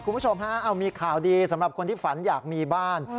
คุณผู้ชมฮะเอามีข่าวดีสำหรับคนที่ฝันอยากมีบ้าน